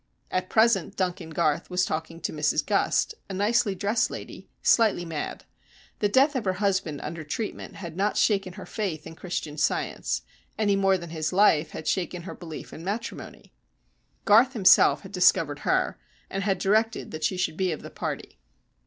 At present Duncan Garth was talking to Mrs Gust, a nicely dressed lady, slightly mad. The death of her husband under treatment had not shaken her faith in Christian Science, any more than his life had shaken her belief in matrimony. Garth himself had discovered her, and had directed that she should be of the party.